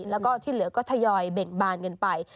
แล้วก็ที่เหลือก็ทยอยเบ่งบานกันไป